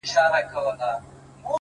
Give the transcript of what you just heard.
د زحمت خوله د بریا بوی لري,